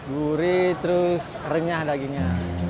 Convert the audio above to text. gurih terus renyah dagingnya